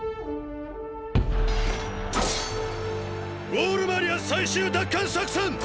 ウォール・マリア最終奪還作戦！！